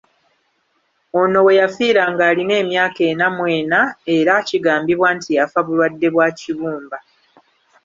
Ono we yafiira ng’alina emyaka ena mw'ena era kigambibwa nti yafa bulwadde bwa kibumba.